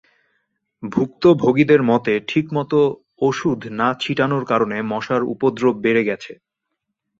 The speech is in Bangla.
ভুক্তভোগীদের মতে, ঠিকমতো ওষুধ না ছিটানোর কারণে মশার উপদ্রব বেড়ে গেছে।